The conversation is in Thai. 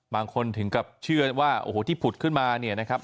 ถึงกับเชื่อว่าโอ้โหที่ผุดขึ้นมาเนี่ยนะครับ